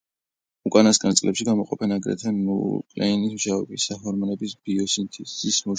უკანასკნელ წლებში გამოყოფენ აგრეთვე ნუკლეინის მჟავებისა და ჰორმონების ბიოსინთეზის მოშლას.